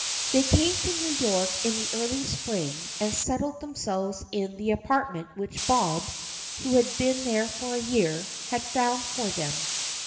They came to New York in the early spring and settled themselves in the apartment which Bob, who had been there for a year, had found for them.